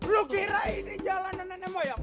lo kira ini jalanan ane moyang